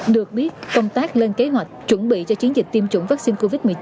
được biết công tác lên kế hoạch chuẩn bị cho chiến dịch tiêm chủng vaccine covid một mươi chín